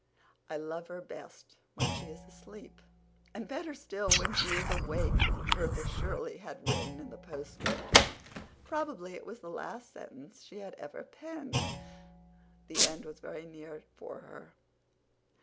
"I love her best when she is asleep and better still when she is awake," Bertha Shirley had written in the postscript. Probably it was the last sentence she had ever penned. The end was very near for her.